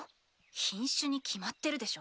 品種に決まってるでしょ。